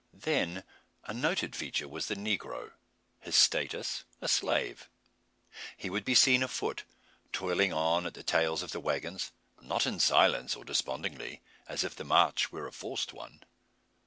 Then a noted feature was the negro his status a slave. He would be seen afoot, toiling on at the tails of the waggons, not in silence or despondingly, as if the march were a forced one.